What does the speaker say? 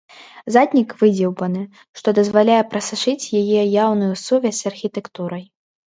Заднік выдзеўбаны, што дазваляе прасачыць яе яўную сувязь з архітэктурай.